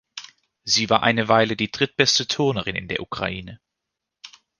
Sie war eine Weile die drittbeste Turnerin in der Ukraine.